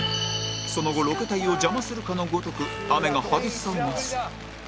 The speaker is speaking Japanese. その後ロケ隊を邪魔するかのごとく雨が激しさを増す